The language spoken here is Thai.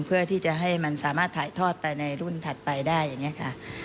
เพื่อที่จะให้มันสามารถถ่ายทอดไปในรุ่นถัดไปได้อย่างนี้ค่ะ